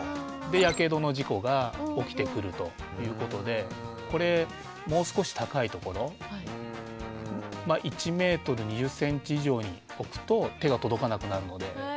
やけどの事故が起きてくるということでこれもう少し高い所１メートル２０センチ以上に置くと手が届かなくなるので。